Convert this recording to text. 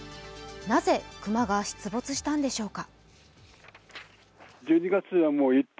なぜ熊が出没したんでしょうか。